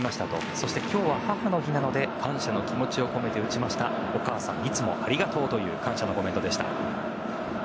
そして、今日は母の日なので感謝の気持ちを込めて打ちましたお母さんいつもありがとうという感謝のコメントでした。